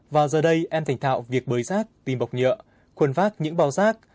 và giờ đây em thành thạo việc bới rác tìm bọc nhựa khuôn vác những bào rác